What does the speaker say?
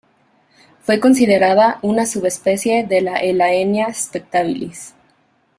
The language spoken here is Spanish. Fue considerada una subespecie de la "Elaenia spectabilis".